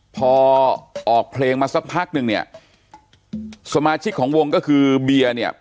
พอออกเพลงมาสักพักนึงเนี่ยสมาชิกของวงก็คือเบียร์เนี่ย